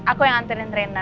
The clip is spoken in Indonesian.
aku yang anterin rena